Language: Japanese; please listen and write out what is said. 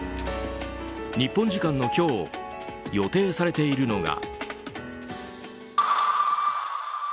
日本時間の今日予定されているのが。